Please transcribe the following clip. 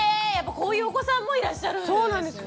こういうお子さんもいらっしゃるんですね。